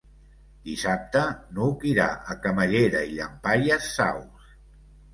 Dissabte n'Hug irà a Camallera i Llampaies Saus.